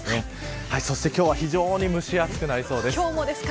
今日は非常に蒸し暑くなりそうです。